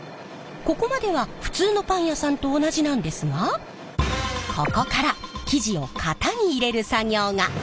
ここまでは普通のパン屋さんと同じなんですがここから生地を型に入れる作業が。